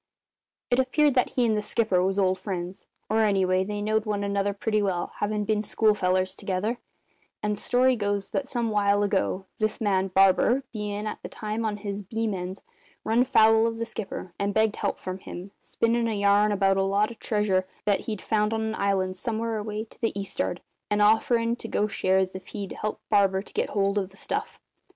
"It appeared that he and the skipper was old friends or anyway they knowed one another pretty well, havin' been schoolfellers together; and the story goes that some while ago this man, Barber, bein' at the time on his beam ends, runned foul of the skipper and begged help from him, spinnin' a yarn about a lot of treasure that he'd found on an island somewhere away to the east'ard, and offerin' to go shares if he'd help Barber to get hold of the stuff.